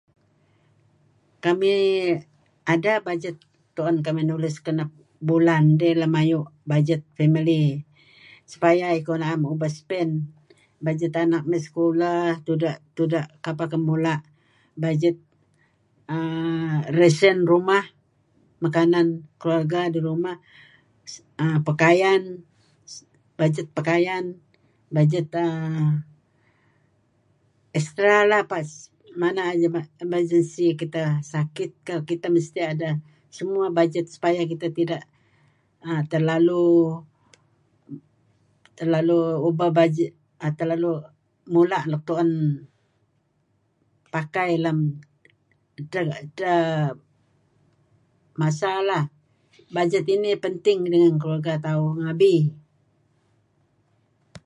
Kamih ada bajet tu'en kamih nulis kenep bulan dih lem ayu' bajet family supaya iko na'em over spend , bajet anak mey sekulah tuda' kapeh ken mula', baje t[err] ration rumah makanan keluarga di rumah, pakaian, bajet err extra lah mana emergency kita sakit kah kita mesti ada semua bajet supaya kita tidak terlalu ubah bajet err terlalu mula' nuk tu'en pakai lem edtah masa lah. Bajet ini penting dengen keluatga tauh ngabi.